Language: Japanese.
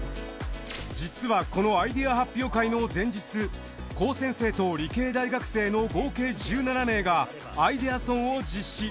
実はこのアイデア発表会の前日高専生と理系大学生の合計１７名がアイデアソンを実施。